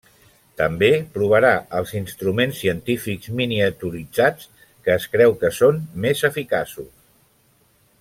També provarà els instruments científics miniaturitzats, que es creu que són més eficaços.